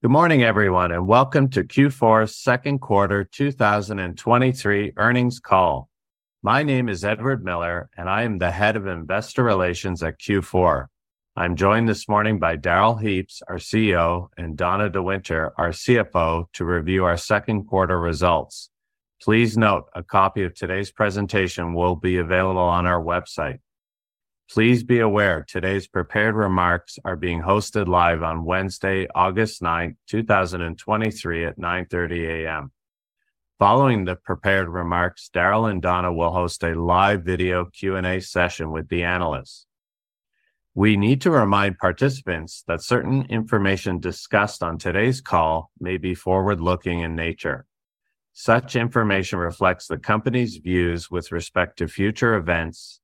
Good morning, everyone, and welcome to Q4's Q2 2023 earnings call. My name is Edward Miller, and I am the Head of Investor Relations at Q4. I'm joined this morning by Darrell Heaps, our CEO, and Donna de Winter, our CFO, to review our Q2 results. Please note, a copy of today's presentation will be available on our website. Please be aware today's prepared remarks are being hosted live on Wednesday, August 9, 2023 at 9:30 A.M. Following the prepared remarks, Darrell and Donna will host a live video Q&A session with the analysts. We need to remind participants that certain information discussed on today's call may be forward-looking in nature. Such information reflects the company's views with respect to future events.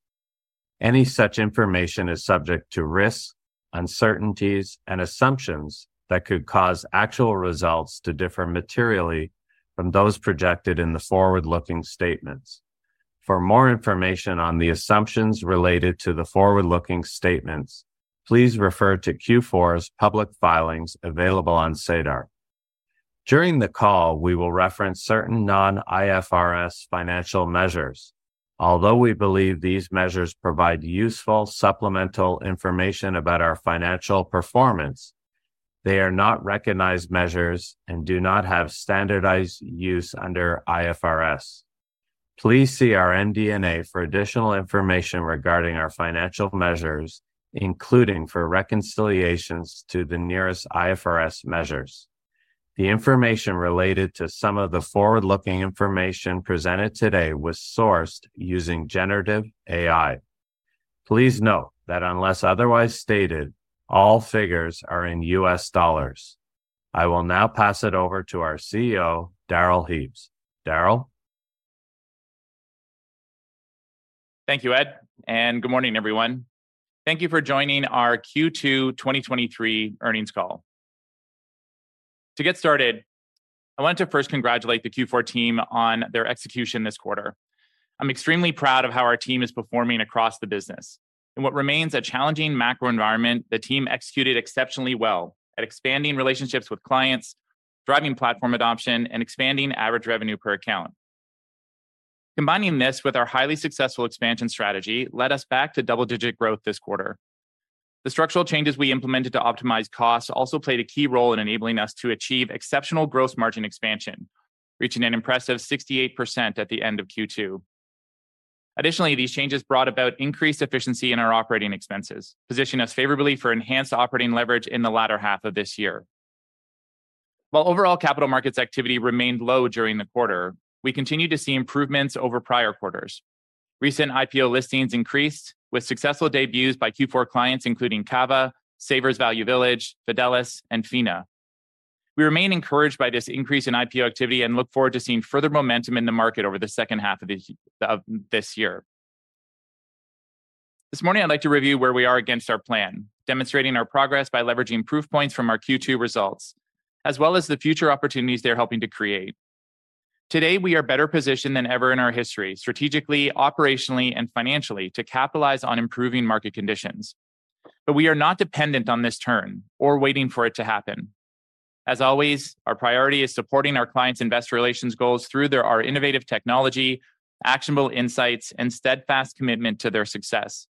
Any such information is subject to risks, uncertainties, and assumptions that could cause actual results to differ materially from those projected in the forward-looking statements. For more information on the assumptions related to the forward-looking statements, please refer to Q4's public filings available on SEDAR. During the call, we will reference certain non-IFRS financial measures. Although we believe these measures provide useful supplemental information about our financial performance, they are not recognized measures and do not have standardized use under IFRS. Please see our MD&A for additional information regarding our financial measures, including for reconciliations to the nearest IFRS measures. The information related to some of the forward-looking information presented today was sourced using generative AI. Please note that unless otherwise stated, all figures are in US dollars. I will now pass it over to our CEO, Darrell Heaps. Darrell? Thank you, Ed, and good morning, everyone. Thank you for joining our Q2 2023 earnings call. To get started, I want to first congratulate the Q4 team on their execution this quarter. I'm extremely proud of how our team is performing across the business. In what remains a challenging macro environment, the team executed exceptionally well at expanding relationships with clients, driving platform adoption, and expanding average revenue per account. Combining this with our highly successful expansion strategy led us back to double-digit growth this quarter. The structural changes we implemented to optimize costs also played a key role in enabling us to achieve exceptional gross margin expansion, reaching an impressive 68% at the end of Q2. Additionally, these changes brought about increased efficiency in our operating expenses, positioning us favorably for enhanced operating leverage in the latter half of this year. While overall capital markets activity remained low during the quarter, we continued to see improvements over prior quarters. Recent IPO listings increased, with successful debuts by Q4 clients, including Cava, Savers Value Village, Fidelis, and PHINIA. We remain encouraged by this increase in IPO activity and look forward to seeing further momentum in the market over the second half of this year. This morning, I'd like to review where we are against our plan, demonstrating our progress by leveraging proof points from our Q2 results, as well as the future opportunities they're helping to create. Today, we are better positioned than ever in our history, strategically, operationally, and financially to capitalize on improving market conditions. We are not dependent on this turn or waiting for it to happen. As always, our priority is supporting our clients' Investor relations goals through our innovative technology, actionable insights, and steadfast commitment to their success.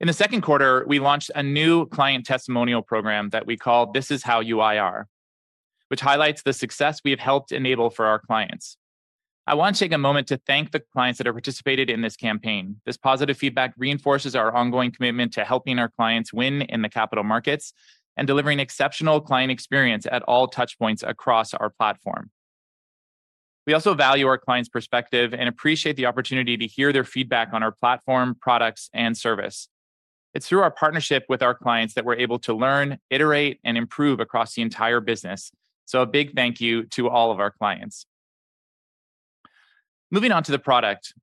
In the Q2, we launched a new client testimonial program that we call This is How You IR, which highlights the success we have helped enable for our clients. I want to take a moment to thank the clients that have participated in this campaign. This positive feedback reinforces our ongoing commitment to helping our clients win in the capital markets and delivering exceptional client experience at all touch points across our Platform. We also value our clients' perspective and appreciate the opportunity to hear their feedback on our Platform, products, and service. It's through our partnership with our clients that we're able to learn, iterate, and improve across the entire business. A big thank you to all of our clients. Moving on to the product.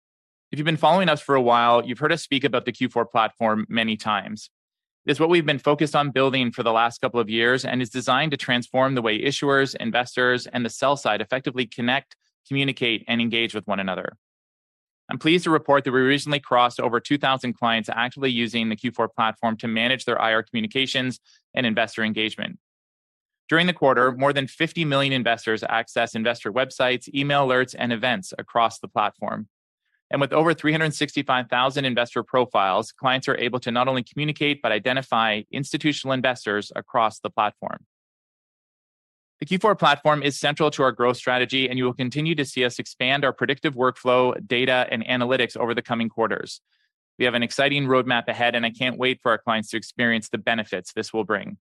If you've been following us for a while, you've heard us speak about the Q4 Platform many times. It's what we've been focused on building for the last couple of years and is designed to transform the way issuers, investors, and the sell side effectively connect, communicate, and engage with one another. I'm pleased to report that we recently crossed over 2,000 clients actively using the Q4 Platform to manage their IR communications and investor engagement. During the quarter, more than 50 million investors access investor websites, email alerts, and events across the platform. With over 365,000 investor profiles, clients are able to not only communicate, but identify institutional investors across the platform. The Q4 Platform is central to our growth strategy, and you will continue to see us expand our predictive workflow, data, and analytics over the coming quarters. We have an exciting roadmap ahead, and I can't wait for our clients to experience the benefits this will bring.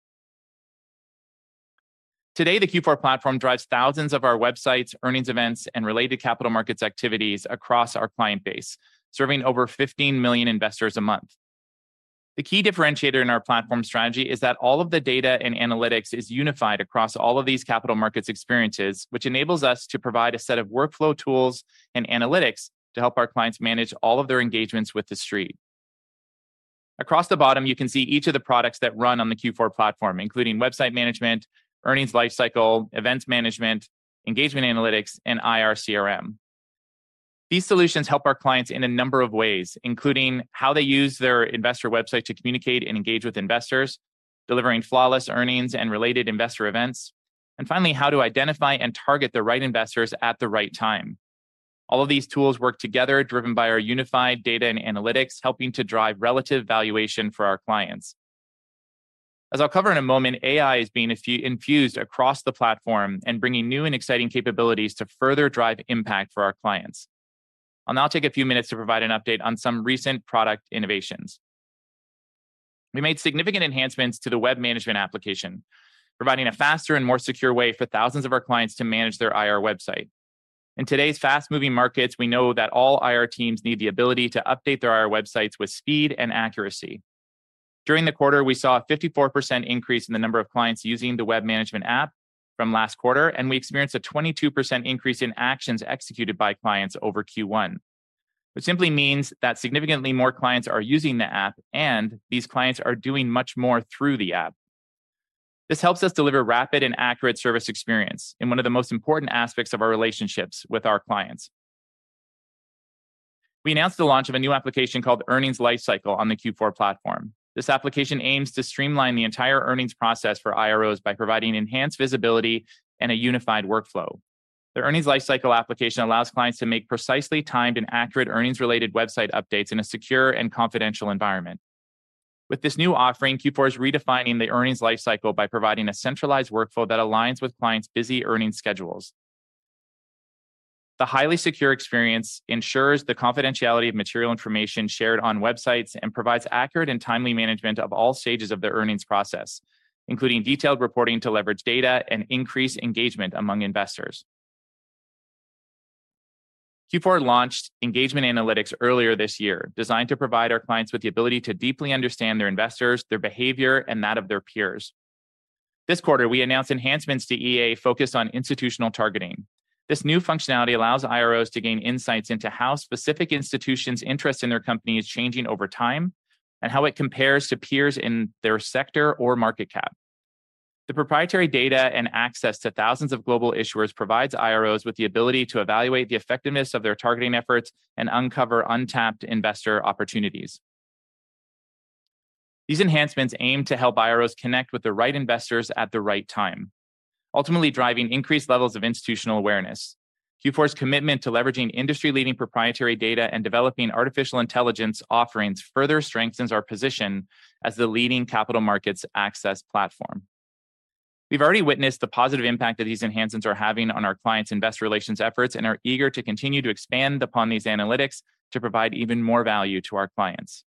Today, the Q4 Platform drives thousands of our websites, earnings, events, and related capital markets activities across our client base, serving over 15 million investors a month. The key differentiator in our platform strategy is that all of the data and analytics is unified across all of these capital markets experiences, which enables us to provide a set of workflow tools and analytics to help our clients manage all of their engagements with the street. Across the bottom, you can see each of the products that run on the Q4 Platform, including Website Management, Earnings Lifecycle, Events Management, Engagement Analytics, and IR CRM. These solutions help our clients in a number of ways, including how they use their investor website to communicate and engage with investors, delivering flawless earnings and related investor events, and finally, how to identify and target the right investors at the right time. All of these tools work together, driven by our unified data and analytics, helping to drive relative valuation for our clients. As I'll cover in a moment, AI is being infused across the platform and bringing new and exciting capabilities to further drive impact for our clients. I'll now take a few minutes to provide an update on some recent product innovations. We made significant enhancements to the Web Management Application, providing a faster and more secure way for thousands of our clients to manage their IR website. In today's fast-moving markets, we know that all IR teams need the ability to update their IR websites with speed and accuracy. During the quarter, we saw a 54% increase in the number of clients using the Web Management App from last quarter, and we experienced a 22% increase in actions executed by clients over Q1. Which simply means that significantly more clients are using the app, and these clients are doing much more through the app. This helps us deliver rapid and accurate service experience in one of the most important aspects of our relationships with our clients. We announced the launch of a new application called Earnings Lifecycle on the Q4 Platform. This application aims to streamline the entire earnings process for IROs by providing enhanced visibility and a unified workflow. The Earnings Lifecycle application allows clients to make precisely timed and accurate earnings-related website updates in a secure and confidential environment. With this new offering, Q4 is redefining the earnings life cycle by providing a centralized workflow that aligns with clients' busy earnings schedules. The highly secure experience ensures the confidentiality of material information shared on websites and provides accurate and timely management of all stages of the earnings process, including detailed reporting to leverage data and increase engagement among investors. Q4 launched Engagement Analytics earlier this year, designed to provide our clients with the ability to deeply understand their investors, their behavior, and that of their peers. This quarter, we announced enhancements to EA focused on institutional targeting. This new functionality allows IROs to gain insights into how specific institutions' interest in their company is changing over time, and how it compares to peers in their sector or market cap. The proprietary data and access to thousands of global issuers provides IROs with the ability to evaluate the effectiveness of their targeting efforts and uncover untapped investor opportunities. These enhancements aim to help IROs connect with the right investors at the right time, ultimately driving increased levels of institutional awareness. Q4's commitment to leveraging industry-leading proprietary data and developing artificial intelligence offerings further strengthens our position as the leading capital markets access platform. We've already witnessed the positive impact that these enhancements are having on our clients' investor relations efforts and are eager to continue to expand upon these analytics to provide even more value to our clients.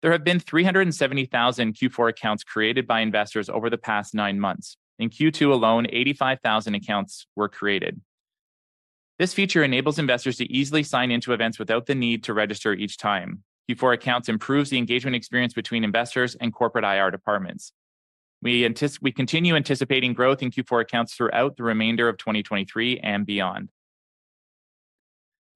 There have been 370,000 Q4 Accounts created by investors over the past nine months. In Q2 alone, 85,000 accounts were created. This feature enables investors to easily sign in to events without the need to register each time. Q4 Accounts improves the engagement experience between investors and corporate IR departments. We continue anticipating growth in Q4 Accounts throughout the remainder of 2023 and beyond.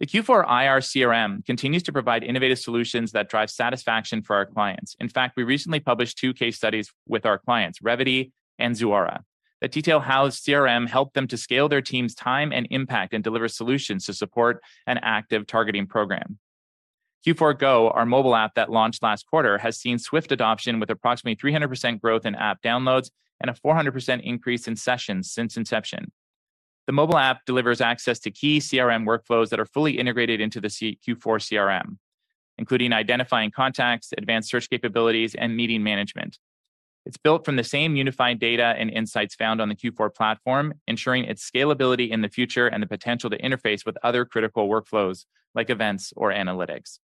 The Q4 IR CRM continues to provide innovative solutions that drive satisfaction for our clients. In fact, we recently published 2 case studies with our clients, Revvity and Zuora, that detail how CRM helped them to scale their team's time and impact and deliver solutions to support an active targeting program. Q4 Go, our mobile app that launched last quarter, has seen swift adoption, with approximately 300% growth in app downloads and a 400% increase in sessions since inception. The mobile app delivers access to key CRM workflows that are fully integrated into the Q4 CRM, including identifying contacts, advanced search capabilities, and meeting management. It's built from the same unified data and insights found on the Q4 platform, ensuring its scalability in the future and the potential to interface with other critical workflows, like events or analytics.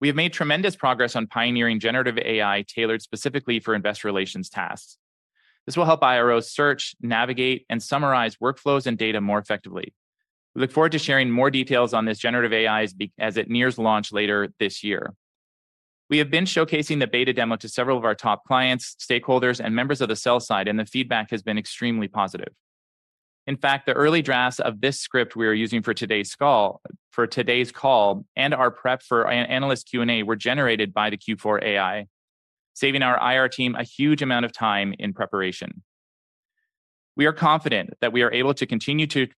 We have made tremendous progress on pioneering generative AI, tailored specifically for investor relations tasks. This will help IROs search, navigate, and summarize workflows and data more effectively. We look forward to sharing more details on this generative AI as it nears launch later this year. We have been showcasing the beta demo to several of our top clients, stakeholders, and members of the sell side, and the feedback has been extremely positive. In fact, the early drafts of this script we are using for today's call, for today's call and our prep for analyst Q&A were generated by the Q4 AI, saving our IR team a huge amount of time in preparation. We are confident that we are able to continue to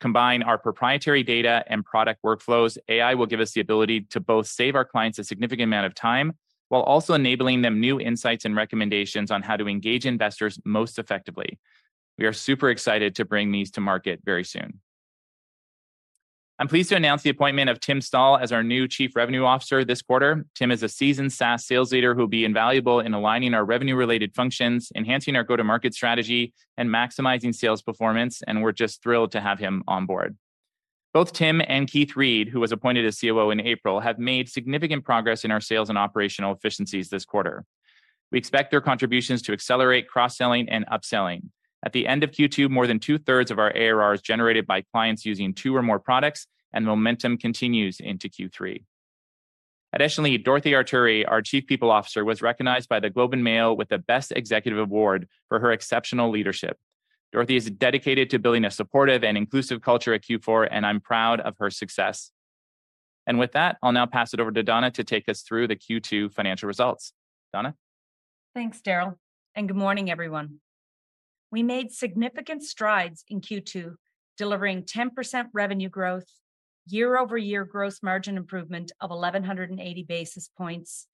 combine our proprietary data and product workflows. AI will give us the ability to both save our clients a significant amount of time, while also enabling them new insights and recommendations on how to engage investors most effectively. We are super excited to bring these to market very soon. I'm pleased to announce the appointment of Tim Stahl as our new Chief Revenue Officer this quarter. Tim is a seasoned SaaS sales leader who will be invaluable in aligning our revenue-related functions, enhancing our go-to-market strategy, and maximizing sales performance, and we're just thrilled to have him on board. Both Tim and Keith Reed, who was appointed as COO in April, have made significant progress in our sales and operational efficiencies this quarter. We expect their contributions to accelerate cross-selling and upselling. At the end of Q2, more than two-thirds of our ARR is generated by clients using two or more products, and momentum continues into Q3. Additionally, Dorothy Arturi, our Chief People Officer, was recognized by The Globe and Mail with the Best Executive Award for her exceptional leadership. Dorothy is dedicated to building a supportive and inclusive culture at Q4, and I'm proud of her success. With that, I'll now pass it over to Donna to take us through the Q2 financial results. Donna? Thanks, Darrell. Good morning, everyone. We made significant strides in Q2, delivering 10% revenue growth, year-over-year gross margin improvement of 1,180 basis points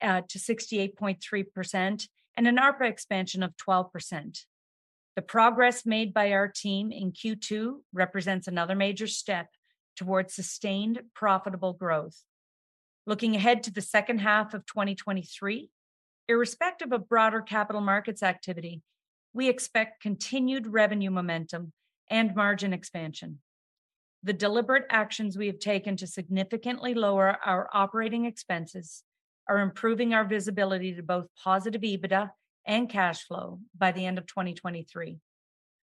to 68.3%, and an ARPA expansion of 12%. The progress made by our team in Q2 represents another major step towards sustained, profitable growth. Looking ahead to the second half of 2023, irrespective of broader capital markets activity, we expect continued revenue momentum and margin expansion. The deliberate actions we have taken to significantly lower our operating expenses are improving our visibility to both positive EBITDA and cash flow by the end of 2023.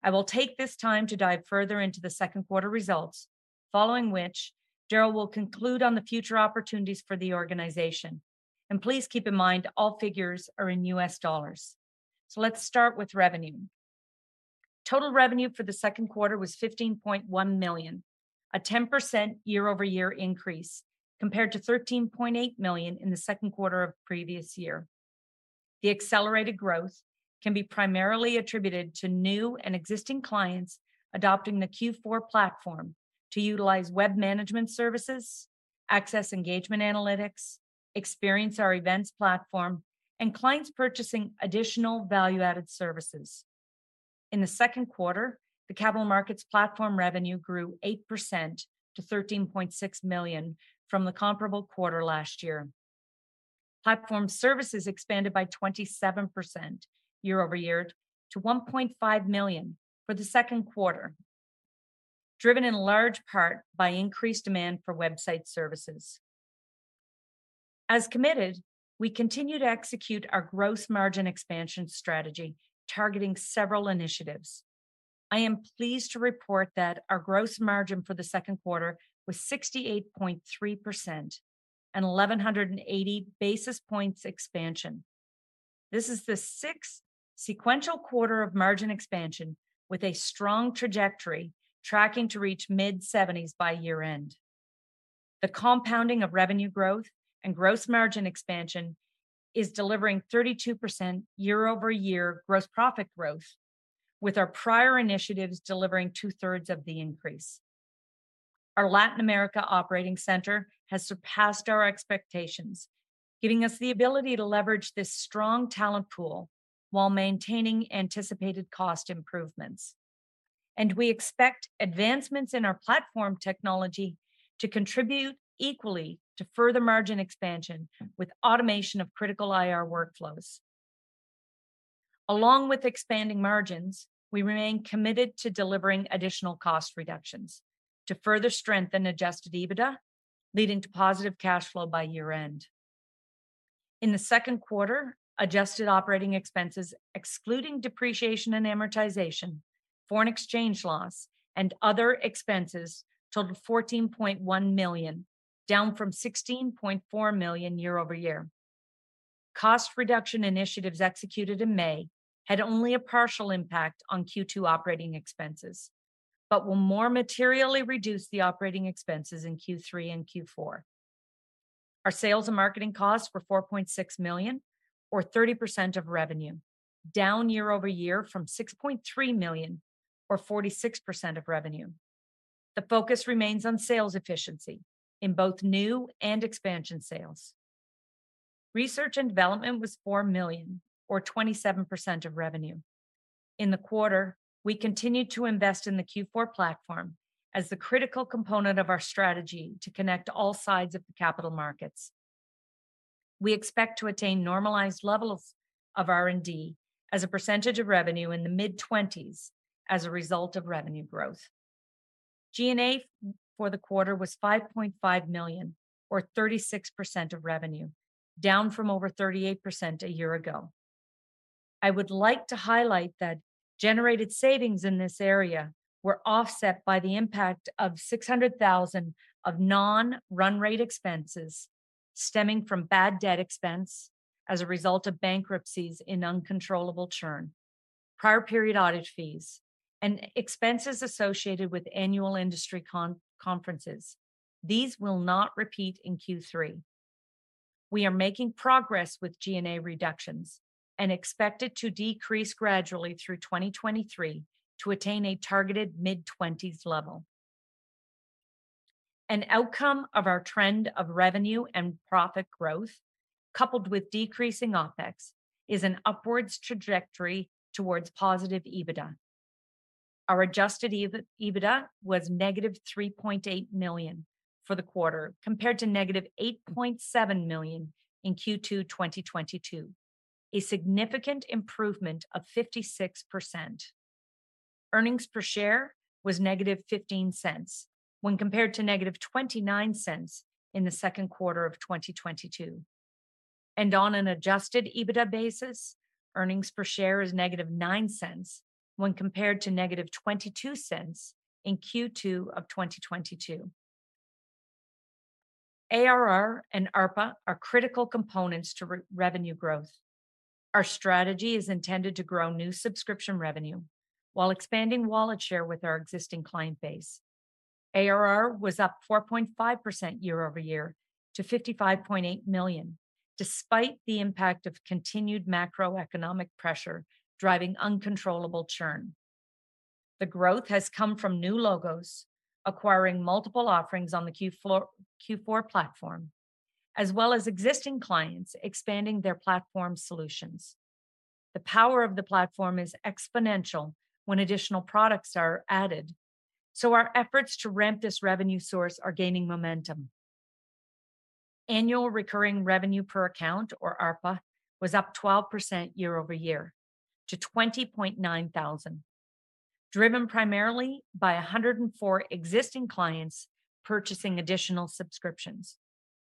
I will take this time to dive further into the Q2 results, following which Darrell will conclude on the future opportunities for the organization. Please keep in mind, all figures are in US dollars. Let's start with revenue. Total revenue for the Q2 was $15.1 million, a 10% year-over-year increase, compared to $13.8 million in the Q2 of previous year. The accelerated growth can be primarily attributed to new and existing clients adopting the Q4 Platform to utilize Web Management services, access Engagement Analytics, experience our events platform, and clients purchasing additional value-added services. In the Q2, the capital markets platform revenue grew 8% to $13.6 million from the comparable quarter last year. Platform services expanded by 27% year-over-year to $1.5 million for the Q2, driven in large part by increased demand for website services. As committed, we continue to execute our gross margin expansion strategy, targeting several initiatives. I am pleased to report that our gross margin for the Q2 was 68.3% and 1,180 basis points expansion. This is the sixth sequential quarter of margin expansion, with a strong trajectory tracking to reach mid-70s by year-end. The compounding of revenue growth and gross margin expansion is delivering 32% year-over-year gross profit growth, with our prior initiatives delivering two-thirds of the increase. Our Latin America operating center has surpassed our expectations, giving us the ability to leverage this strong talent pool while maintaining anticipated cost improvements. We expect advancements in our platform technology to contribute equally to further margin expansion, with automation of critical IR workflows. Along with expanding margins, we remain committed to delivering additional cost reductions to further strengthen adjusted EBITDA, leading to positive cash flow by year-end. In the Q2, adjusted operating expenses, excluding depreciation and amortization, foreign exchange loss, and other expenses, totaled $14.1 million, down from $16.4 million year-over-year. Cost reduction initiatives executed in May had only a partial impact on Q2 operating expenses, but will more materially reduce the operating expenses in Q3 and Q4. Our sales and marketing costs were $4.6 million, or 30% of revenue, down year-over-year from $6.3 million, or 46% of revenue. The focus remains on sales efficiency in both new and expansion sales. Research and development was $4 million, or 27% of revenue. In the quarter, we continued to invest in the Q4 Platform as the critical component of our strategy to connect all sides of the capital markets. We expect to attain normalized levels of R&D as a percentage of revenue in the mid-twenties as a result of revenue growth. G&A for the quarter was $5.5 million, or 36% of revenue, down from over 38% a year ago. I would like to highlight that generated savings in this area were offset by the impact of 600,000 of non-run rate expenses stemming from bad debt expense as a result of bankruptcies in uncontrollable churn, prior period audit fees, and expenses associated with annual industry conferences. These will not repeat in Q3. We are making progress with G&A reductions and expect it to decrease gradually through 2023 to attain a targeted mid-20s level. An outcome of our trend of revenue and profit growth, coupled with decreasing OpEx, is an upwards trajectory towards positive EBITDA. Our adjusted EBITDA was negative CAD $3.8 million for the quarter, compared to negative 8.7 million in Q2 2022, a significant improvement of 56%. Earnings per share was -0.15 when compared to negative 0.29 in the Q2 of 2022. On an adjusted EBITDA basis, earnings per share is -$0.09 when compared to -$0.22 in Q2 2022. ARR and ARPA are critical components to revenue growth. Our strategy is intended to grow new subscription revenue while expanding wallet share with our existing client base. ARR was up 4.5% year-over-year to $55.8 million, despite the impact of continued macroeconomic pressure driving uncontrollable churn. The growth has come from new logos acquiring multiple offerings on the Q4 Platform, as well as existing clients expanding their platform solutions. The power of the platform is exponential when additional products are added, so our efforts to ramp this revenue source are gaining momentum. Annual recurring revenue per account, or ARPA, was up 12% year-over-year to $20,900, driven primarily by 104 existing clients purchasing additional subscriptions.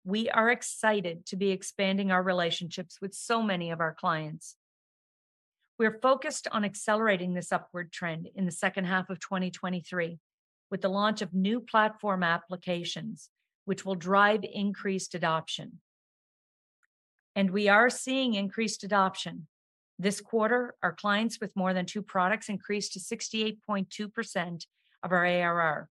We are excited to be expanding our relationships with so many of our clients. We're focused on accelerating this upward trend in the second half of 2023, with the launch of new platform applications which will drive increased adoption. We are seeing increased adoption. This quarter, our clients with more than two products increased to 68.2% of our ARR.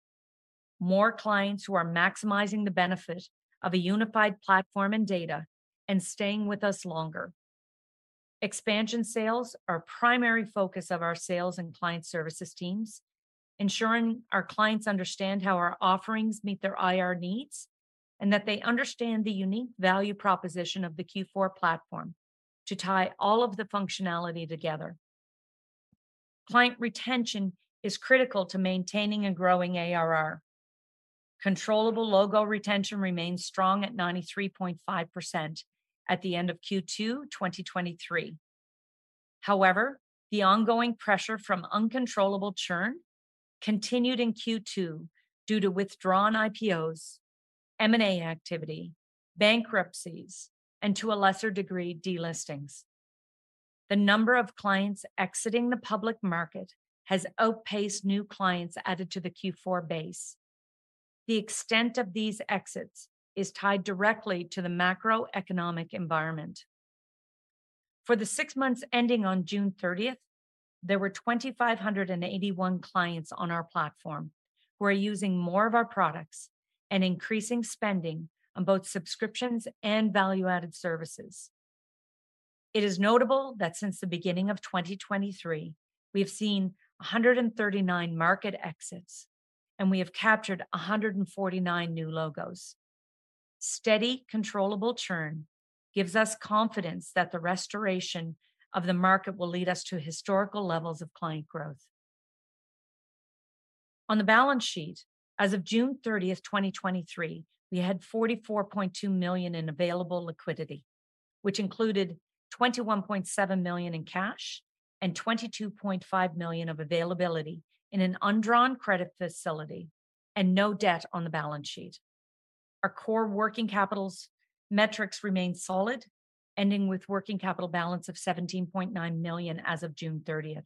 More clients who are maximizing the benefit of a unified platform and data and staying with us longer. Expansion sales are a primary focus of our sales and client services teams, ensuring our clients understand how our offerings meet their IR needs, and that they understand the unique value proposition of the Q4 Platform to tie all of the functionality together. Client retention is critical to maintaining a growing ARR. Controllable logo retention remains strong at 93.5% at the end of Q2 2023. However, the ongoing pressure from uncontrollable churn continued in Q2 due to withdrawn IPOs, M&A activity, bankruptcies, and, to a lesser degree, delistings. The number of clients exiting the public market has outpaced new clients added to the Q4 base. The extent of these exits is tied directly to the macroeconomic environment. For the six months ending on June 30th, there were 2,581 clients on our platform who are using more of our products and increasing spending on both subscriptions and value-added services. It is notable that since the beginning of 2023, we have seen 139 market exits, and we have captured 149 new logos. Steady, controllable churn gives us confidence that the restoration of the market will lead us to historical levels of client growth. On the balance sheet, as of June 30th, 2023, we had $44.2 million in available liquidity, which included $21.7 million in cash and $22.5 million of availability in an undrawn credit facility, and no debt on the balance sheet. Our core working capital metrics remain solid, ending with working capital balance of $17.9 million as of June 30th.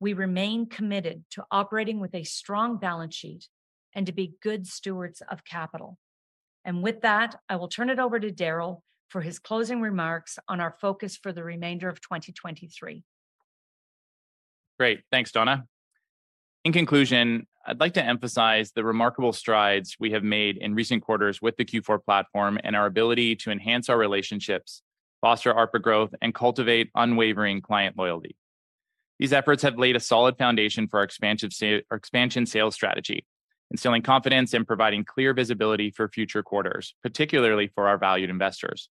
We remain committed to operating with a strong balance sheet and to be good stewards of capital. With that, I will turn it over to Darrell for his closing remarks on our focus for the remainder of 2023. Great. Thanks, Donna. In conclusion, I'd like to emphasize the remarkable strides we have made in recent quarters with the Q4 Platform and our ability to enhance our relationships, foster ARPA growth, and cultivate unwavering client loyalty. These efforts have laid a solid foundation for our expansion sales strategy, instilling confidence and providing clear visibility for future quarters, particularly for our valued investors.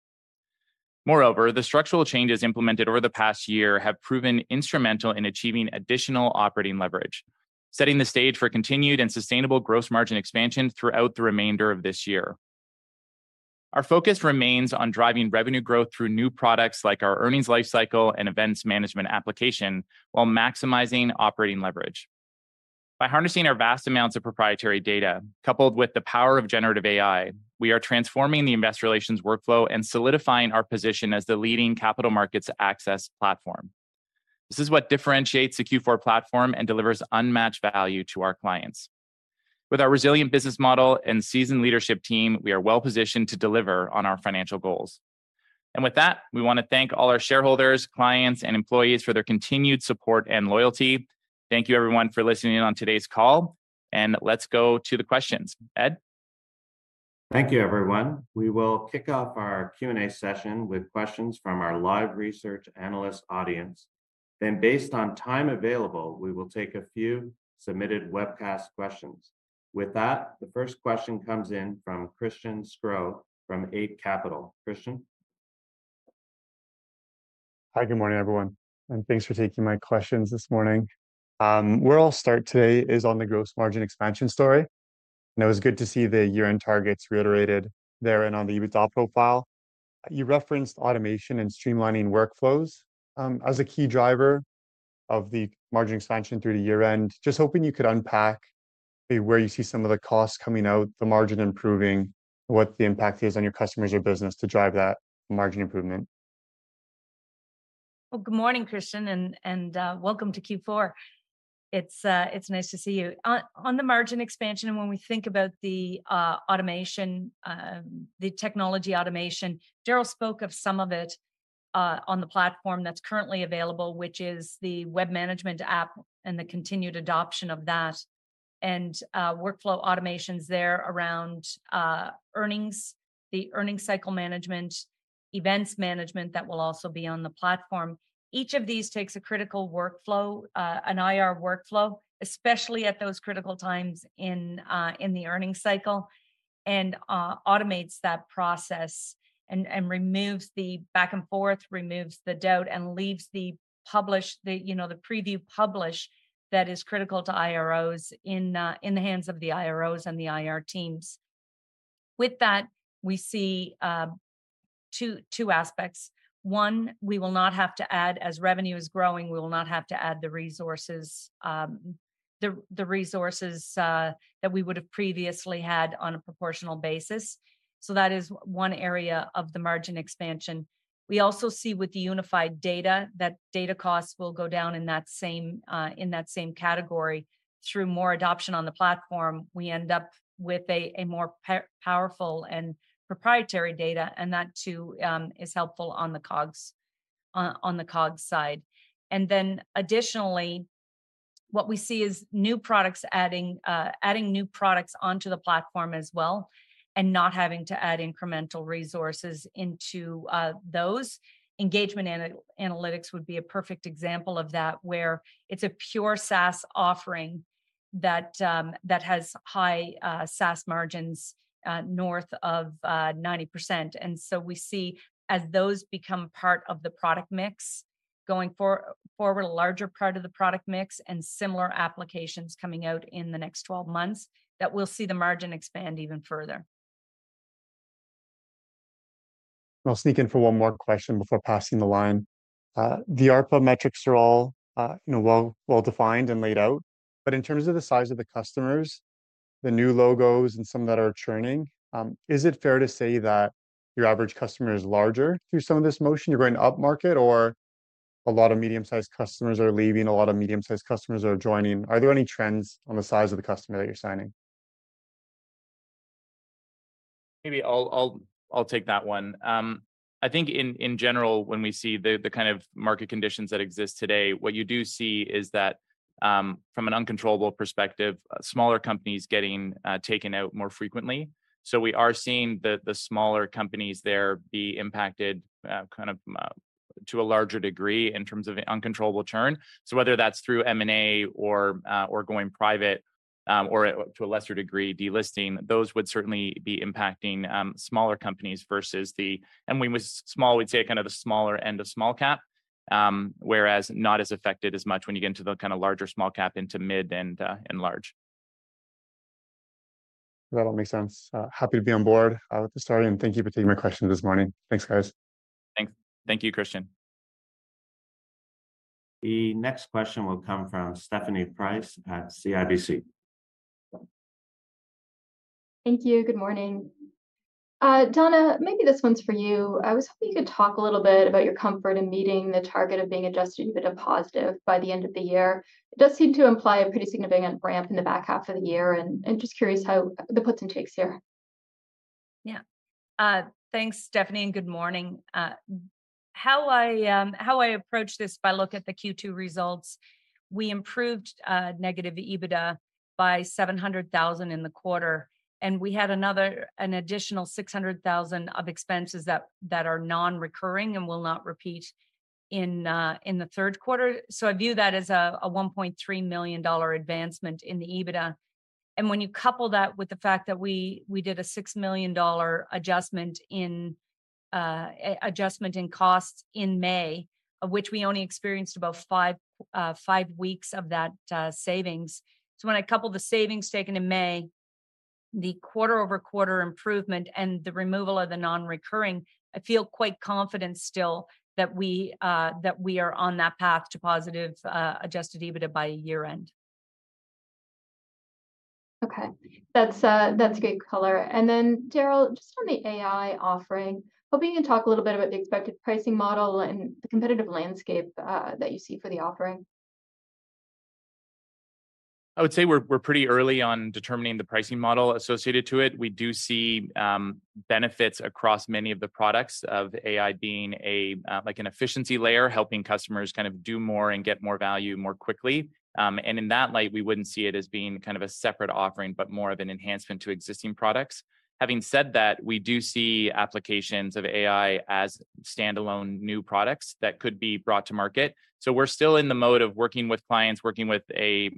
Moreover, the structural changes implemented over the past year have proven instrumental in achieving additional operating leverage, setting the stage for continued and sustainable gross margin expansion throughout the remainder of this year. Our focus remains on driving revenue growth through new products, like our Earnings Lifecycle and events management application, while maximizing operating leverage. By harnessing our vast amounts of proprietary data, coupled with the power of generative AI, we are transforming the investor relations workflow and solidifying our position as the leading capital markets access platform. This is what differentiates the Q4 Platform and delivers unmatched value to our clients. With our resilient business model and seasoned leadership team, we are well-positioned to deliver on our financial goals. With that, we want to thank all our shareholders, clients, and employees for their continued support and loyalty. Thank you everyone for listening in on today's call, and let's go to the questions. Ed? Thank you, everyone. We will kick off our Q&A session with questions from our live research analyst audience. Based on time available, we will take a few submitted webcast questions. With that, the first question comes in from Christian Sgro from Eight Capital. Christian? Hi, good morning, everyone, and thanks for taking my questions this morning. Where I'll start today is on the gross margin expansion story, and it was good to see the year-end targets reiterated there and on the EBITDA profile. You referenced automation and streamlining workflows, as a key driver of the margin expansion through to year-end. Just hoping you could unpack maybe where you see some of the costs coming out, the margin improving, what the impact is on your customers or business to drive that margin improvement? Well, good morning, Christian, and, and welcome to Q4. It's, it's nice to see you. On, on the margin expansion, when we think about the automation, the technology automation, Darryl spoke of some of it on the platform that's currently available, which is the Web Management App and the continued adoption of that. Workflow automations there around earnings, the earnings cycle management, events management, that will also be on the platform. Each of these takes a critical workflow, an IR workflow, especially at those critical times in the earnings cycle, automates that process and, and removes the back and forth, removes the doubt, and leaves the publish, the, you know, the preview publish that is critical to IROs in the hands of the IROs and the IR teams. With that, we see 2, 2 aspects. One, we will not have to add as revenue is growing, we will not have to add the resources, the, the resources that we would have previously had on a proportional basis. That is 1 area of the margin expansion. We also see with the unified data, that data costs will go down in that same, in that same category. Through more adoption on the platform, we end up with a, a more powerful and proprietary data, and that too is helpful on the COGS, on the COGS side. Additionally, what we see is new products adding, adding new products onto the platform as well, and not having to add incremental resources into those. Engagement analytics would be a perfect example of that, where it's a pure SaaS offering that, that has high SaaS margins, north of 90%. So we see as those become part of the product mix, going forward a larger part of the product mix, and similar applications coming out in the next 12 months, that we'll see the margin expand even further. I'll sneak in for one more question before passing the line. The ARPA metrics are all, you know, well, well-defined and laid out, but in terms of the size of the customers, the new logos and some that are churning, is it fair to say that your average customer is larger through some of this motion? You're going upmarket, or a lot of medium-sized customers are leaving, a lot of medium-sized customers are joining. Are there any trends on the size of the customer that you're signing? Maybe I'll, I'll, I'll take that one. I think in general, when we see the kind of market conditions that exist today, what you do see is that, from an uncontrollable perspective, smaller companies getting taken out more frequently. We are seeing the smaller companies there be impacted, kind of, to a larger degree in terms of uncontrollable churn. Whether that's through M&A or going private, or to a lesser degree, delisting, those would certainly be impacting smaller companies versus the... When we say small, we'd say kind of the smaller end of small cap. Not as affected as much when you get into the kind of larger small cap into mid and large. That all makes sense. Happy to be on board with the starting. Thank you for taking my question this morning. Thanks, guys. Thank, thank you, Christian. The next question will come from Stephanie Price at CIBC. Thank you. Good morning. Donna, maybe this one's for you. I was hoping you could talk a little bit about your comfort in meeting the target of being adjusted EBITDA positive by the end of the year. It does seem to imply a pretty significant ramp in the back half of the year, and, and just curious how the puts and takes here? Yeah. Thanks, Stephanie, and good morning. How I, how I approach this by look at the Q2 results, we improved negative EBITDA by $700,000 in the quarter, and we had an additional $600,000 of expenses that are non-recurring and will not repeat in the Q3. I view that as a $1.3 million advancement in the EBITDA. When you couple that with the fact that we did a $6 million adjustment in costs in May, of which we only experienced about 5 weeks of that savings. When I couple the savings taken in May, the quarter-over-quarter improvement, and the removal of the non-recurring, I feel quite confident still that we are on that path to positive adjusted EBITDA by year-end. Okay. That's, that's great color. Darrell, just on the AI offering, hoping you can talk a little bit about the expected pricing model and the competitive landscape, that you see for the offering. I would say we're, we're pretty early on determining the pricing model associated to it. We do see benefits across many of the products of AI being a like, an efficiency layer, helping customers kind of do more and get more value more quickly. In that light, we wouldn't see it as being kind of a separate offering, but more of an enhancement to existing products. Having said that, we do see applications of AI as standalone new products that could be brought to market. We're still in the mode of working with clients, working with a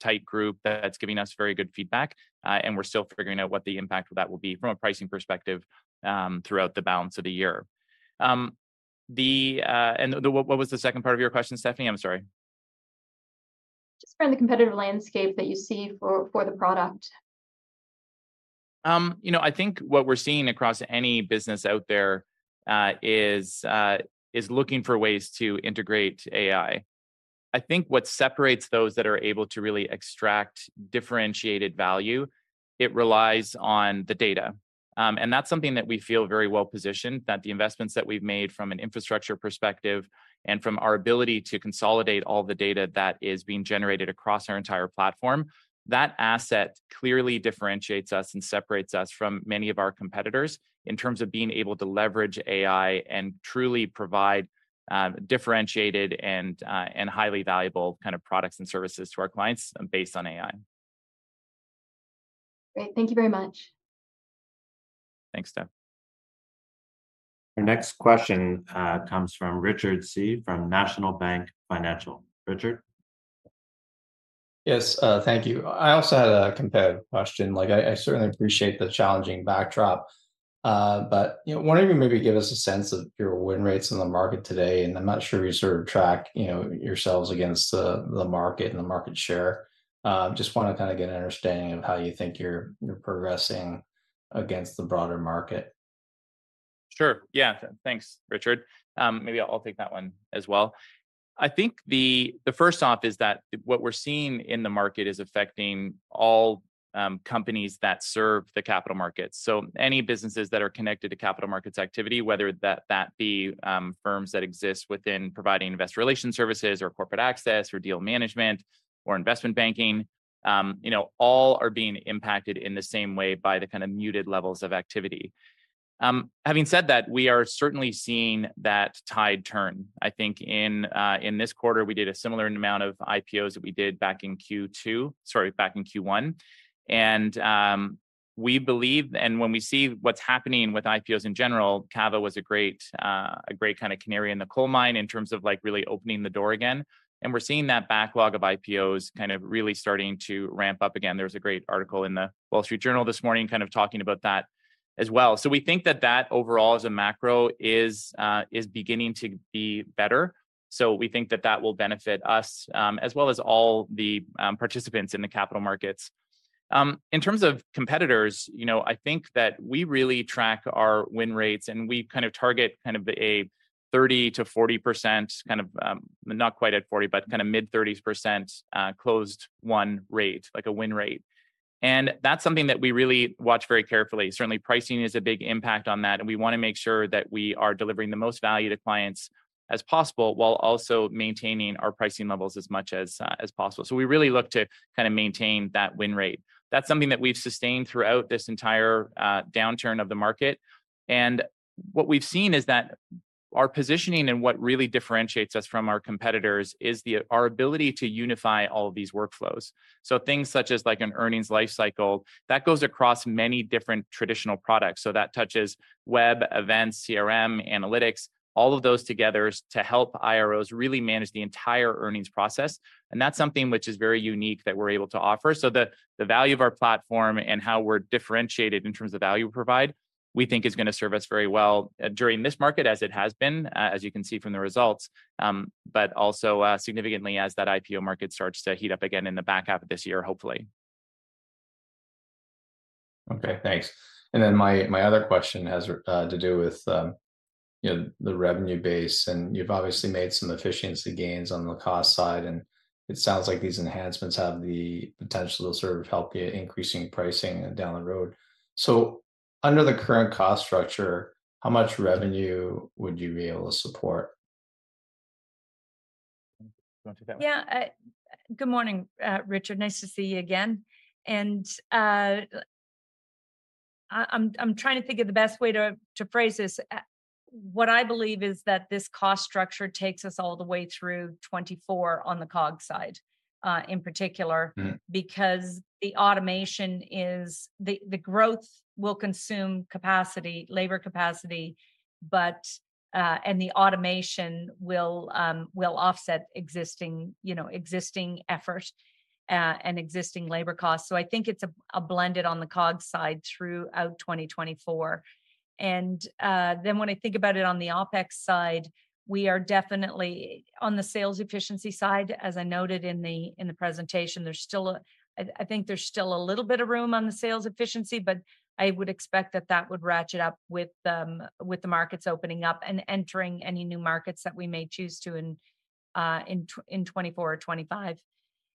tight group that's giving us very good feedback, and we're still figuring out what the impact of that will be from a pricing perspective, throughout the balance of the year. The, what was the second part of your question, Stephanie? I'm sorry. Just around the competitive landscape that you see for, for the product. You know, I think what we're seeing across any business out there, is looking for ways to integrate AI. I think what separates those that are able to really extract differentiated value, it relies on the data. That's something that we feel very well positioned, that the investments that we've made from an infrastructure perspective and from our ability to consolidate all the data that is being generated across our entire platform, that asset clearly differentiates us and separates us from many of our competitors in terms of being able to leverage AI, and truly provide differentiated and highly valuable kind of products and services to our clients based on AI. Great, thank you very much. Thanks, Steph. Our next question comes from Richard Tse. from National Bank Financial. Richard? Yes, thank you. I also had a competitive question. Like, I, I certainly appreciate the challenging backdrop. You know, wondering if you maybe give us a sense of your win rates in the market today, and I'm not sure you sort of track, you know, yourselves against the market and the market share. Just wanna kind of get an understanding of how you think you're progressing against the broader market. Sure, yeah. Thanks, Richard. Maybe I'll take that one as well. I think the, the first off is that what we're seeing in the market is affecting all companies that serve the capital markets. Any businesses that are connected to capital markets activity, whether that, that be firms that exist within providing investor relations services, or corporate access, or deal management, or investment banking, you know, all are being impacted in the same way by the kind of muted levels of activity. Having said that, we are certainly seeing that tide turn. I think in this quarter, we did a similar amount of IPOs that we did back in Q2. Sorry, back in Q1. We believe, when we see what's happening with IPOs in general, Cava was a great, a great kind of canary in the coal mine in terms of, like, really opening the door again, and we're seeing that backlog of IPOs kind of really starting to ramp up again. There was a great article in The Wall Street Journal this morning kind of talking about that as well. We think that that overall as a macro is beginning to be better, so we think that that will benefit us, as well as all the participants in the capital markets. In terms of competitors, you know, I think that we really track our win rates, and we kind of target kind of a 30%-40%, not quite at 40, but kind of mid-30s%, closed won rate, like a win rate. That's something that we really watch very carefully. Certainly pricing is a big impact on that, and we wanna make sure that we are delivering the most value to clients as possible, while also maintaining our pricing levels as much as possible. We really look to kind of maintain that win rate. That's something that we've sustained throughout this entire downturn of the market. What we've seen is that our positioning and what really differentiates us from our competitors is our ability to unify all of these workflows. Things such as, like, an Earnings Lifecycle, that goes across many different traditional products. That touches web, events, CRM, analytics, all of those together to help IROs really manage the entire earnings process, and that's something which is very unique that we're able to offer. The, the value of our platform and how we're differentiated in terms of value we provide, we think is gonna serve us very well, during this market as it has been, as you can see from the results. Also, significantly as that IPO market starts to heat up again in the back half of this year, hopefully. Okay, thanks. My, my other question has to do with, you know, the revenue base, and you've obviously made some efficiency gains on the cost side, and it sounds like these enhancements have the potential to sort of help you increasing pricing down the road. Under the current cost structure, how much revenue would you be able to support? You wanna take that one? Yeah, good morning, Richard, nice to see you again. I, I'm, I'm trying to think of the best way to, to phrase this. What I believe is that this cost structure takes us all the way through 2024 on the COGS side, in particular. Mm... because the automation is, the, the growth will consume capacity, labor capacity, but, and the automation will offset existing, you know, existing efforts, and existing labor costs. I think it's a, a blended on the COGS side throughout 2024. Then when I think about it on the OpEx side, we are definitely on the sales efficiency side, as I noted in the, in the presentation. There's still a. I think there's still a little bit of room on the sales efficiency, but I would expect that that would ratchet up with the, with the markets opening up, and entering any new markets that we may choose to in 2024 or 2025.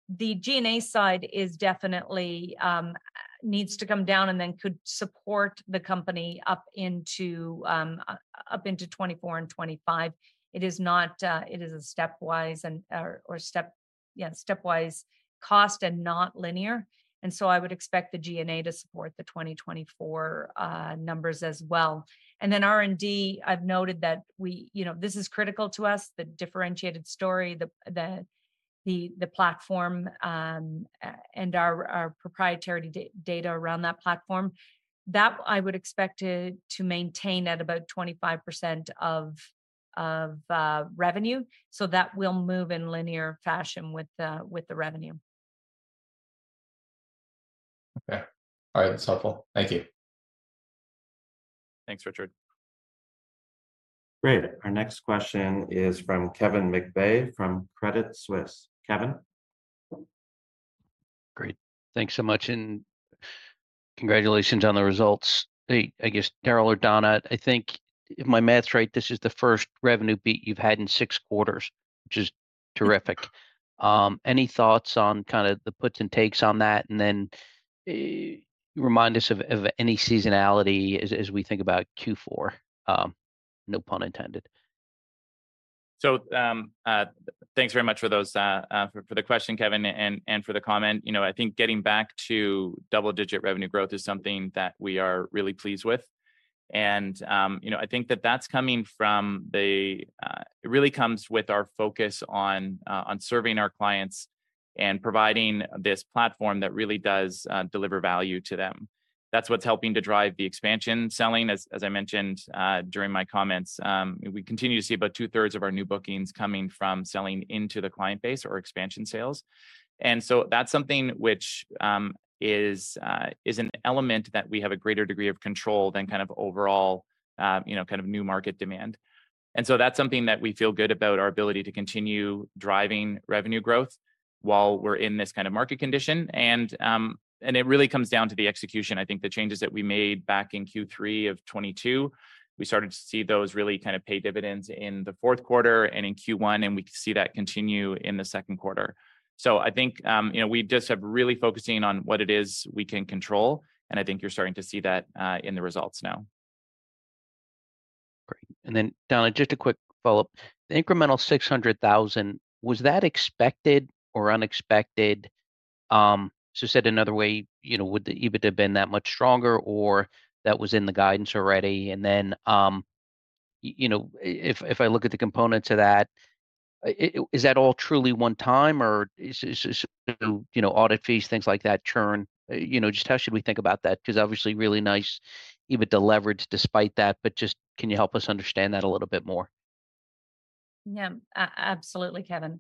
The G&A side is definitely needs to come down, and then could support the company up into up into 2024 and 2025. It is not. It is a stepwise and or, or step, yeah, stepwise cost and not linear, and so I would expect the G&A to support the 2024 numbers as well. Then R&D, I've noted that you know, this is critical to us, the differentiated story, the, the, the, the platform, and our, our proprietary data around that platform. That I would expect it to maintain at about 25% of, of, revenue, so that will move in linear fashion with the, with the revenue. Okay. All right, that's helpful. Thank you. Thanks, Richard. Great, our next question is from Kevin McVeigh, from Credit Suisse. Kevin? Great. Thanks so much, and congratulations on the results. Hey, I guess, Darrell or Donna, I think if my math's right, this is the first revenue beat you've had in 6 quarters, which is... Terrific. Any thoughts on kind of the puts and takes on that, and then, remind us of any seasonality as we think about Q4? No pun intended. Thanks very much for those for, for the question, Kevin, and, and for the comment. You know, I think getting back to double-digit revenue growth is something that we are really pleased with. You know, I think that that's coming from the. It really comes with our focus on serving our clients and providing this platform that really does deliver value to them. That's what's helping to drive the expansion selling. As, as I mentioned, during my comments, we continue to see about two-thirds of our new bookings coming from selling into the client base or expansion sales. That's something which is an element that we have a greater degree of control than kind of overall, you know, kind of new market demand. So that's something that we feel good about our ability to continue driving revenue growth while we're in this kind of market condition. It really comes down to the execution. I think the changes that we made back in Q3 of 2022, we started to see those really kind of pay dividends in the Q4 and in Q1, and we see that continue in the Q2. I think, you know, we just have really focusing on what it is we can control, and I think you're starting to see that in the results now. Great. Donna, just a quick follow-up. The incremental $600,000, was that expected or unexpected? Said another way, you know, would the EBITDA have been that much stronger or that was in the guidance already? You know, if I look at the components of that, is that all truly one time, or is, you know, audit fees, things like that, churn? You know, just how should we think about that? Because obviously, really nice EBITDA leverage despite that, but just can you help us understand that a little bit more? Yeah, absolutely, Kevin.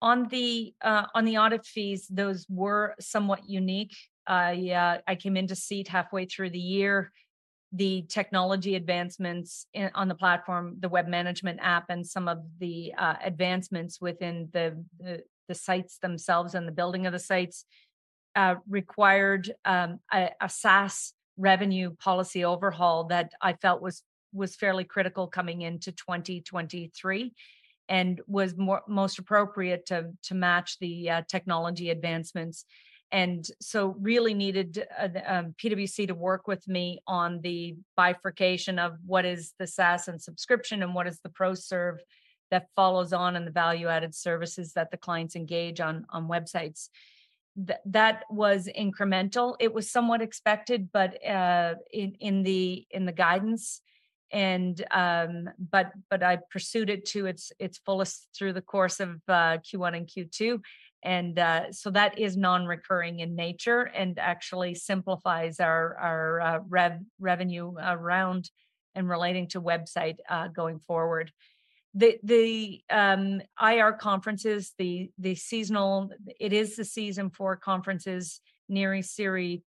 On the audit fees, those were somewhat unique. I came into Seat halfway through the year. The technology advancements on the platform, the Web Management App, and some of the advancements within the sites themselves and the building of the sites required a SaaS revenue policy overhaul that I felt was fairly critical coming into 2023, and was most appropriate to match the technology advancements. So really needed PwC to work with me on the bifurcation of what is the SaaS and subscription, and what is the pro serve that follows on in the value-added services that the clients engage on websites. That was incremental. It was somewhat expected, but in the guidance and. But I pursued it to its, its fullest through the course of Q1 and Q2. That is non-recurring in nature and actually simplifies our, our revenue around and relating to website going forward. The, the IR conferences, the, the seasonal, it is the season for conferences nearing CIRI,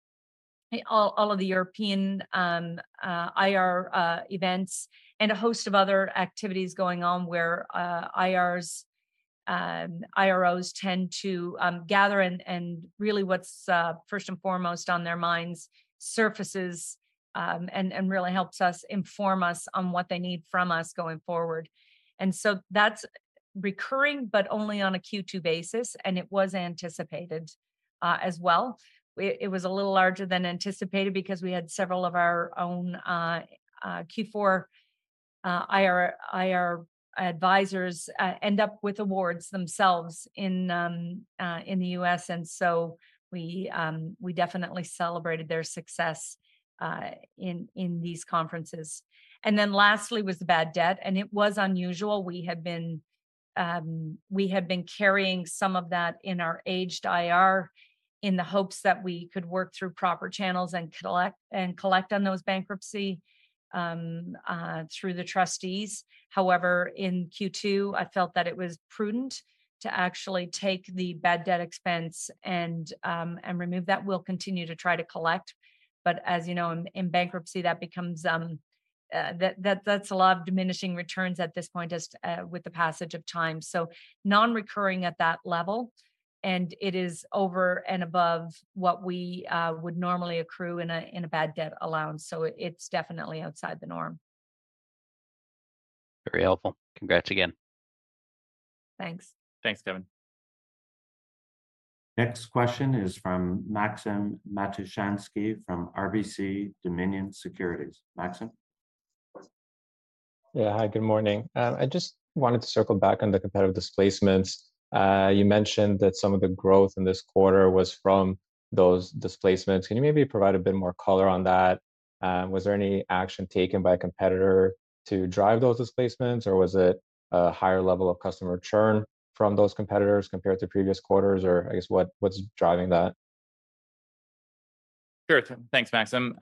all, all of the European IR events, and a host of other activities going on where IRs, IROs tend to gather. Really what's first and foremost on their minds surfaces, and really helps us inform us on what they need from us going forward. That's recurring, but only on a Q2 basis, and it was anticipated as well. It, it was a little larger than anticipated because we had several of our own Q4 IR, IR advisors end up with awards themselves in the US. We definitely celebrated their success in these conferences. Lastly, was the bad debt, and it was unusual. We had been we had been carrying some of that in our aged IR in the hopes that we could work through proper channels and collect, and collect on those bankruptcy through the trustees. However, in Q2, I felt that it was prudent to actually take the bad debt expense and remove that. We'll continue to try to collect, but as you know, in, in bankruptcy, that becomes, that, that's a lot of diminishing returns at this point, just with the passage of time. Non-recurring at that level, and it is over and above what we, would normally accrue in a, in a bad debt allowance. It's definitely outside the norm. Very helpful. Congrats again. Thanks. Thanks, Kevin. Next question is from Maxim Matushansky from RBC Dominion Securities. Maxim? Yeah. Hi, good morning. I just wanted to circle back on the competitive displacements. You mentioned that some of the growth in this quarter was from those displacements. Can you maybe provide a bit more color on that? Was there any action taken by a competitor to drive those displacements, or was it a higher level of customer churn from those competitors compared to previous quarters? I guess, what, what's driving that? Sure. Thanks, Maxim.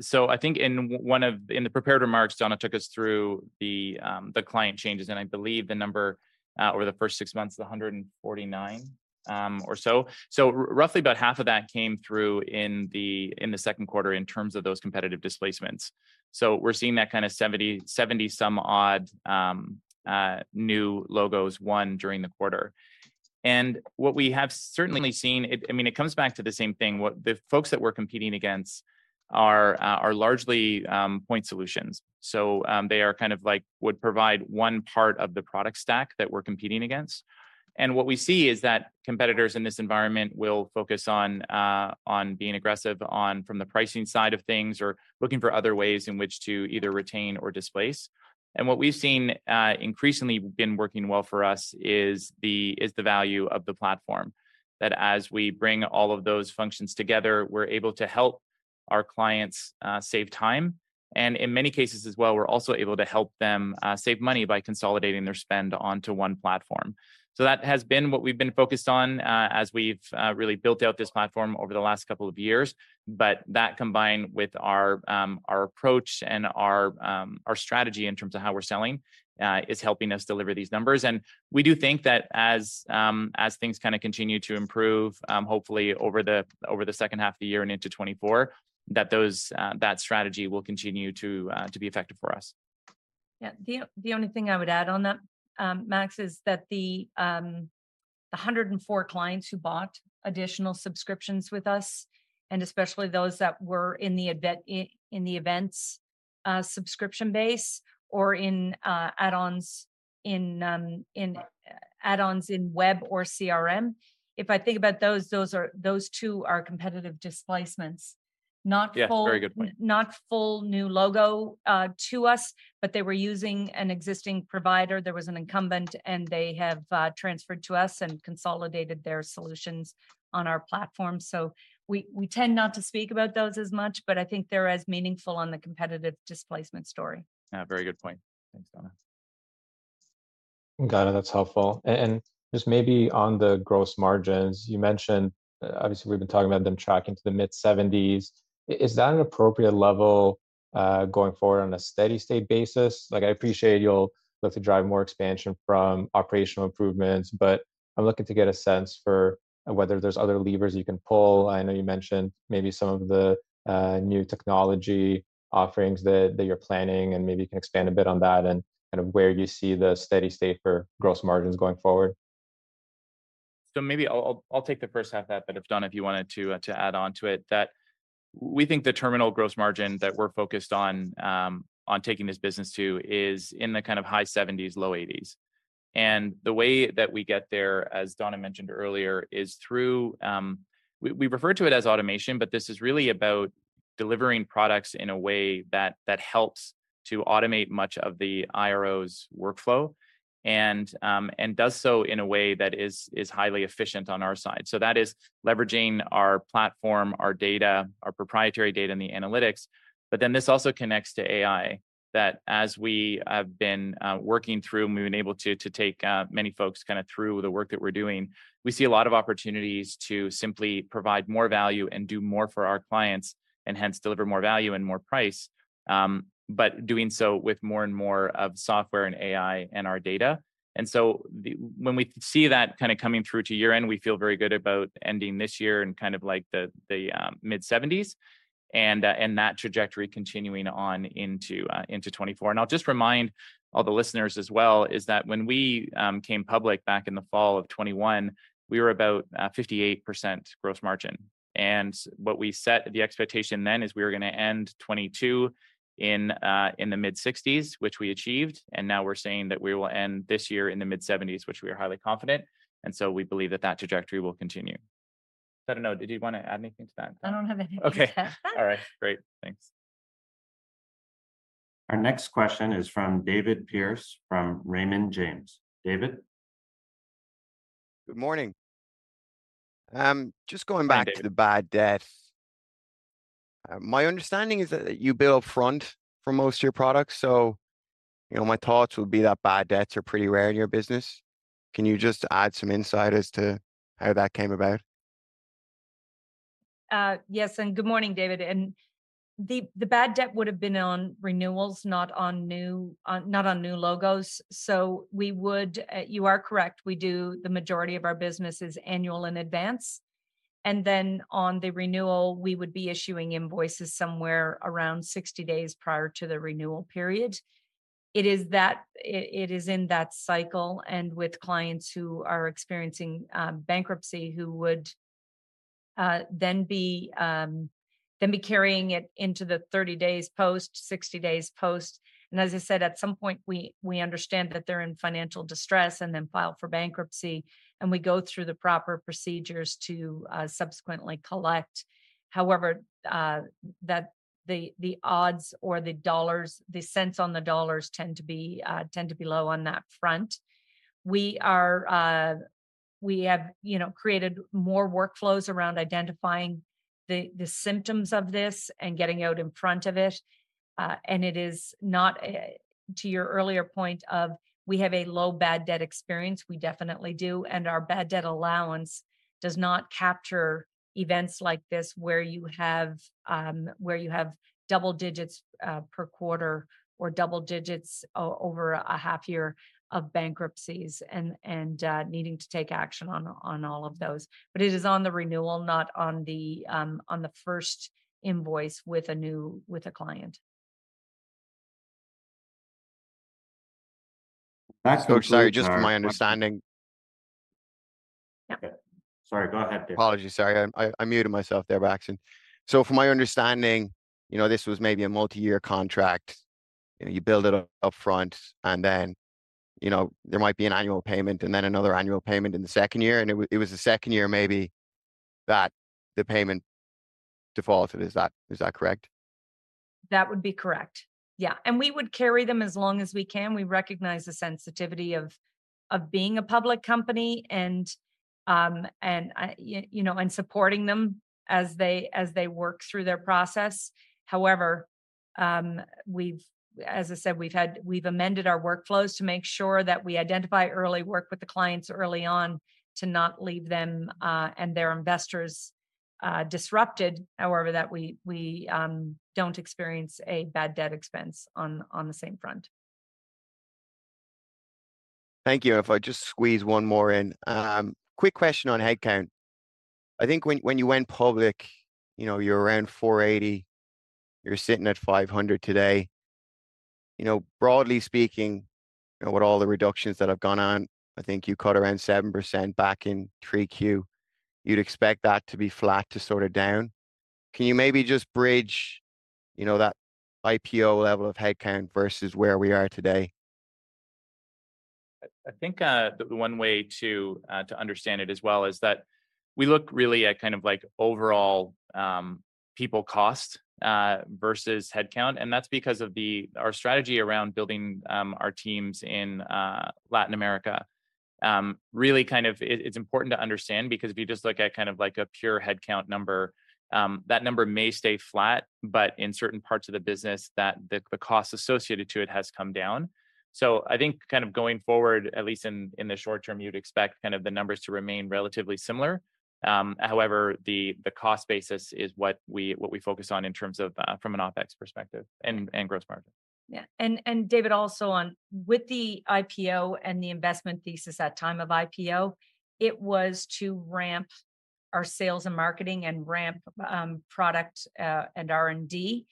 So I think in one of... In the prepared remarks, Donna took us through the client changes, and I believe the number over the first six months is 149 or so. So roughly about half of that came through in the Q2 in terms of those competitive displacements. So we're seeing that kind of 70, 70 some odd new logos won during the quarter. What we have certainly seen, it, I mean, it comes back to the same thing. What the folks that we're competing against are largely point solutions. They are kind of like, would provide one part of the product stack that we're competing against. What we see is that competitors in this environment will focus on being aggressive on from the pricing side of things, or looking for other ways in which to either retain or displace. What we've seen increasingly been working well for us is the value of the platform. As we bring all of those functions together, we're able to help our clients save time, and in many cases as well, we're also able to help them save money by consolidating their spend onto one platform. That has been what we've been focused on as we've really built out this platform over the last couple of years. That, combined with our approach and our strategy in terms of how we're selling, is helping us deliver these numbers. We do think that as, as things kind of continue to improve, hopefully over the, over the second half of the year and into 2024, that those, that strategy will continue to, to be effective for us. Yeah. The, the only thing I would add on that, Max, is that the 104 clients who bought additional subscriptions with us, and especially those that were in the events, subscription base or in, add-ons in, in add-ons in web or CRM. If I think about those, those two are competitive displacements. Not full- Yeah, very good point. Not full new logo to us, but they were using an existing provider. There was an incumbent, and they have transferred to us and consolidated their solutions on our platform. We, we tend not to speak about those as much, but I think they're as meaningful on the competitive displacement story. Yeah, very good point. Thanks, Donna. Got it, that's helpful. And, and just maybe on the gross margins, you mentioned, obviously, we've been talking about them tracking to the mid-70s. Is that an appropriate level going forward on a steady-state basis? Like, I appreciate you'll look to drive more expansion from operational improvements, but I'm looking to get a sense for whether there's other levers you can pull. I know you mentioned maybe some of the new technology offerings that, that you're planning, and maybe you can expand a bit on that, and kind of where you see the steady state for gross margins going forward. Maybe I'll, I'll, I'll take the first half of that, but if, Donna, if you wanted to add on to it, that we think the terminal gross margin that we're focused on taking this business to is in the kind of high 70s, low 80s. The way that we get there, as Donna mentioned earlier, is through. We, we refer to it as automation, but this is really about delivering products in a way that, that helps to automate much of the IRO's workflow, and does so in a way that is highly efficient on our side. That is leveraging our platform, our data, our proprietary data, and the analytics. This also connects to AI, that as we have been working through, and we've been able to take many folks kind of through the work that we're doing, we see a lot of opportunities to simply provide more value and do more for our clients, hence deliver more value and more price. Doing so with more and more of software and AI and our data. When we see that kind of coming through to year-end, we feel very good about ending this year in kind of like the mid-70s, and that trajectory continuing on into 2024. I'll just remind all the listeners as well, is that when we came public back in the fall of 2021, we were about 58% gross margin. What we set the expectation then is we were gonna end 2022 in the mid-60s, which we achieved, and now we're saying that we will end this year in the mid-70s, which we are highly confident. We believe that that trajectory will continue. I don't know, did you want to add anything to that? I don't have anything. Okay. All right, great. Thanks. Our next question is from David Pearce, from Raymond James. David? Good morning. Just going back. Hi, David.... to the bad debt. My understanding is that you bill front for most of your products, so, you know, my thoughts would be that bad debts are pretty rare in your business. Can you just add some insight as to how that came about? Yes, good morning, David. The, the bad debt would have been on renewals, not on new, on, not on new logos. We would... You are correct. We do the majority of our business is annual in advance, and then on the renewal, we would be issuing invoices somewhere around 60 days prior to the renewal period. It is that, it, it is in that cycle and with clients who are experiencing bankruptcy, who would then be then be carrying it into the 30 days post, 60 days post. As I said, at some point we, we understand that they're in financial distress and then file for bankruptcy, and we go through the proper procedures to subsequently collect. However, that, the, the odds or the dollars- the cents on the dollars tend to be, tend to be low on that front. We are, we have, you know, created more workflows around identifying the, the symptoms of this and getting out in front of it. And it is not, to your earlier point of we have a low bad debt experience, we definitely do, and our bad debt allowance does not capture events like this, where you have, where you have double digits per quarter, or double digits o- over a half year of bankruptcies and, and, needing to take action on, on all of those. But it is on the renewal, not on the, on the first invoice with a new- with a client. Coach, sorry, just from my understanding- Okay. Sorry, go ahead, David. Apologies, sorry, I, I muted myself there by accident. From my understanding, you know, this was maybe a multi-year contract, and you build it up front, and then, you know, there might be an annual payment, and then another annual payment in the second year, and it was the second year maybe that the payment defaulted. Is that, is that correct? That would be correct. Yeah, and we would carry them as long as we can. We recognize the sensitivity of, of being a public company and, you know, and supporting them as they, as they work through their process. However, we've. As I said, we've amended our workflows to make sure that we identify early, work with the clients early on, to not leave them and their investors disrupted. However, that we, we don't experience a bad debt expense on, on the same front. Thank you. If I just squeeze one more in. Quick question on headcount. I think when, when you went public, you know, you were around 480, you're sitting at 500 today. You know, broadly speaking, you know, with all the reductions that have gone on, I think you cut around 7% back in 3Q. You'd expect that to be flat to sort of down. Can you maybe just bridge, you know, that IPO level of headcount versus where we are today? I, I think, the one way to understand it as well is that we look really at kind of like overall, people cost, versus headcount, and that's because of our strategy around building, our teams in Latin America. Really kind of it's important to understand because if you just look at kind of like a pure headcount number, that number may stay flat, but in certain parts of the business, that, the, the cost associated to it has come down. I think kind of going forward, at least in, in the short term, you'd expect kind of the numbers to remain relatively similar. However, the, the cost basis is what we, what we focus on in terms of, from an OpEx perspective and, and gross margin. Yeah. David, also on... With the IPO and the investment thesis at time of IPO, it was to ramp our sales and marketing, and ramp product and R&D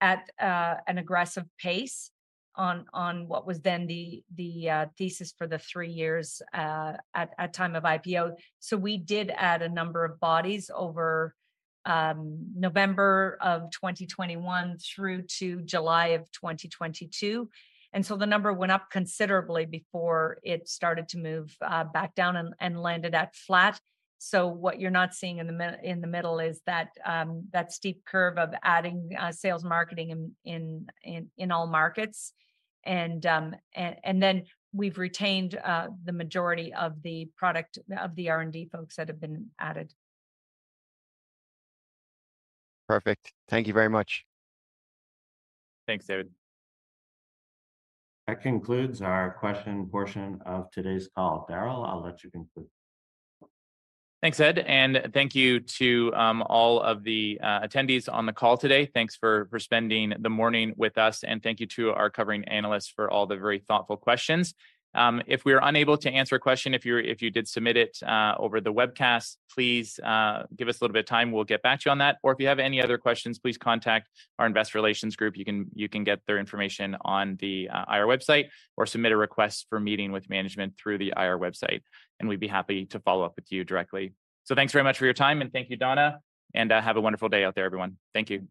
at an aggressive pace on, on what was then the, the thesis for the 3 years at, at time of IPO. We did add a number of bodies over November of 2021 through to July of 2022, and so the number went up considerably before it started to move back down and landed at flat. What you're not seeing in the middle is that steep curve of adding sales, marketing in all markets. Then we've retained the majority of the product, of the R&D folks that have been added. Perfect. Thank you very much. Thanks, David. That concludes our question portion of today's call. Darrell, I'll let you conclude. Thanks, Ed, and thank you to all of the attendees on the call today. Thanks for, for spending the morning with us, and thank you to our covering analysts for all the very thoughtful questions. If we were unable to answer a question, if you did submit it over the webcast, please give us a little bit of time, we'll get back to you on that. If you have any other questions, please contact our investor relations group. You can get their information on the IR website, or submit a request for a meeting with management through the IR website, and we'd be happy to follow up with you directly. Thanks very much for your time, and thank you, Donna, and have a wonderful day out there, everyone. Thank you.